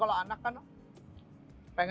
galak galak sama driving